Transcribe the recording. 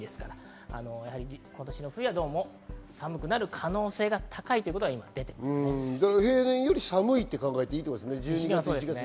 今年の冬は寒くなる可能性が高いという平年より寒いということですね。